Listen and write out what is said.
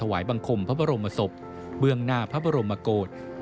บังคมพระบรมศพเบื้องหน้าพระบรมโกศ